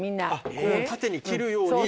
こう縦に切るように。